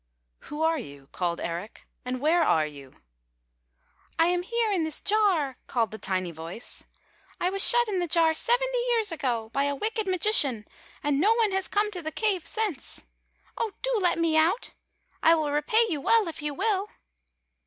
"Who are you?" called Eric, "and where are you? "" I am here in this jar," called the tiny voice. " I was shut in the jar seventy years ago by a wicked magician — and no one has come to the cave since. Oh, do let me out! I will repay you well if you will."